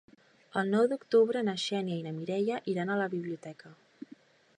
El nou d'octubre na Xènia i na Mireia iran a la biblioteca.